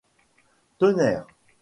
Tonnerre !